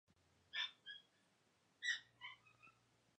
Ese año regresó a Karlsruhe y comenzó a enseñar en el Gymnasium.